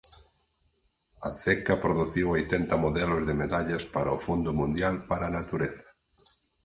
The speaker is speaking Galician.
A ceca produciu oitenta modelos de medallas para o Fondo Mundial para a Natureza.